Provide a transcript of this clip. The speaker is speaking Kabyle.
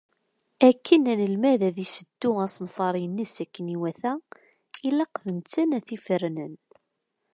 Akken anelmad ad iseddu asenfar-ines akken iwata, ilaq d netta ara t-ifernen.